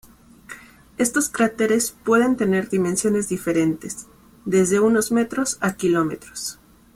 Estos cráteres pueden tener dimensiones diferentes desde unos metros a kilómetros.